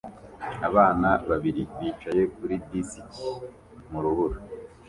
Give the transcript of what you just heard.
Abana babiri bicaye kuri disiki mu rubura